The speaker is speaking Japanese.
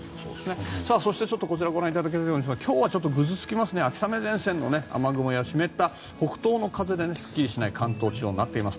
そしてこちらご覧いただきたいんですが今日はぐずつきますね秋雨前線の雨雲や湿った北東の風ですっきりしない関東地方になっています。